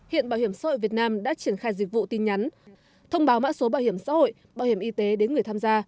hiện bảo hiểm xã hội việt nam đã triển khai dịch vụ tin nhắn thông báo mã số bảo hiểm xã hội bảo hiểm y tế đến người tham gia